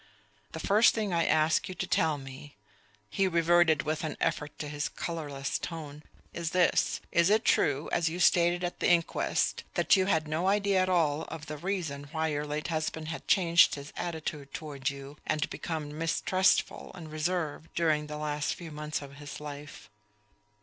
The first thing I ask you to tell me" he reverted with an effort to his colorless tone "is this: is it true, as you stated at the inquest, that you had no idea at all of the reason why your late husband had changed his attitude toward you, and become mistrustful and reserved, during the last few months of his life?"